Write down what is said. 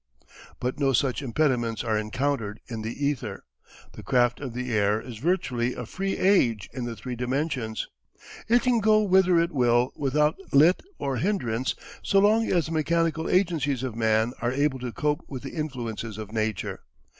But no such impediments are encountered in the ether. The craft of the air is virtually a free age in the three dimensions. It can go whither it will without let or hindrance so long as the mechanical agencies of man are able to cope with the influences of Nature.